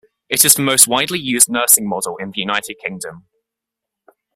It is the most widely used nursing model in the United Kingdom.